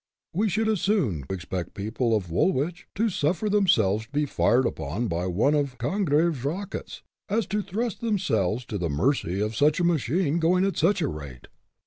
We should as soon expect the people of Woolwich to suffer them selves to be fired off upon one of Congreve's rockets, as to trust themselves to the mercy of such a machine, going at such a rate.